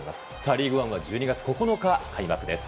リーグワンは１２月９日、開幕です。